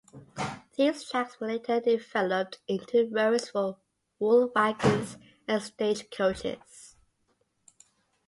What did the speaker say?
These tracks were later developed into roads for wool wagons and stage-coaches.